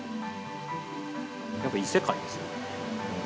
やっぱ異世界ですね。